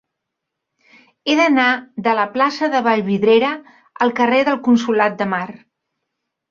He d'anar de la plaça de Vallvidrera al carrer del Consolat de Mar.